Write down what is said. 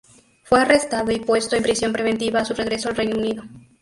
Fue arrestado y puesto en prisión preventiva a su regreso al Reino Unido.